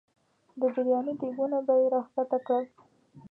د برياني دیګونه به یې راښکته کړل.